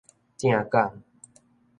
正港